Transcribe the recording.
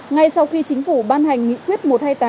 ngay sau khi chính phủ ban hành nghị quyết một trăm hai mươi tám